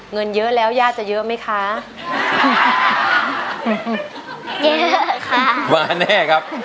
เงินเยอะแล้วย่าจะเยอะไหมคะแย่ค่ะมาแน่ครับ